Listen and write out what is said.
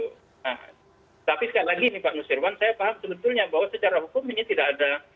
nah tapi sekali lagi nih pak nusirwan saya paham sebetulnya bahwa secara hukum ini tidak ada